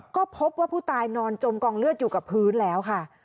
ก็พบว่าผู้ตายนอนจมกองเลือดอยู่กับพื้นแล้วค่ะ